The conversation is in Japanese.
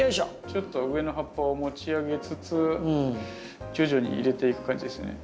ちょっと上の葉っぱを持ち上げつつ徐々に入れていく感じですね。